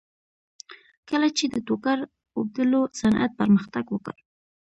کله چې د ټوکر اوبدلو صنعت پرمختګ وکړ